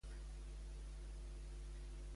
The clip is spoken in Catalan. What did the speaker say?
Quan es veien en el seu major esplendor?